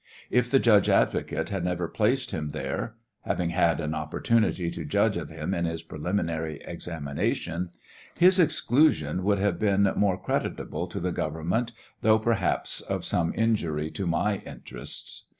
If the judge advocate had never, placed him there, (having had an opportunity to judge of him in his preliminary examination,) his exclusion would have been more creditable to the government, though, perhaps, of some injury to my interests.